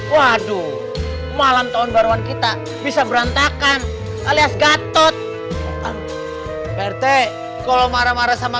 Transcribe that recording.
waduh malam tahun baruan kita bisa berantakan alias gatot prt kalau marah marah sama